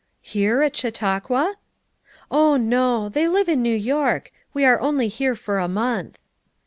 "Here, at Chautauqua ?" "Oil, no; they live in New York; we are only here for a month."